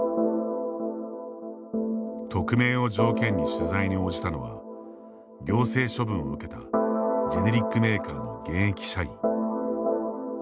匿名を条件に取材に応じたのは行政処分を受けたジェネリックメーカーの現役社員。